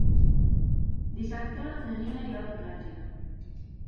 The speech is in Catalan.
Dissabte na Nina irà a la platja.